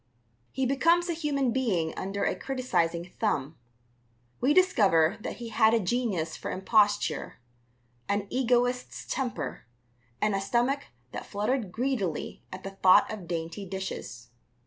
He becomes a human being under a criticizing thumb. We discover that he had a genius for imposture, an egoist's temper, and a stomach that fluttered greedily at the thought of dainty dishes.